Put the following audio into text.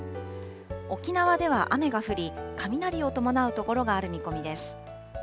沖縄では雨が降り、雷を伴う所がある見込みです。